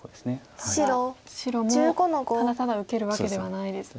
ただ白もただただ受けるわけではないですね。